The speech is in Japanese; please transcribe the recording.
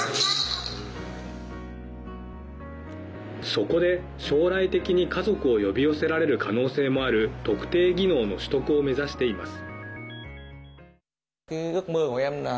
そこで、将来的に家族を呼び寄せられる可能性もある特定技能の取得を目指しています。